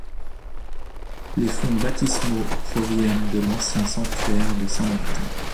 Les fonts baptismaux proviennent de l'ancien sanctuaire de St-Martin.